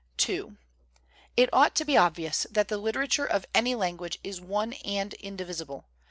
n IT ought to be obvious that the literature of any language is one and indivisible.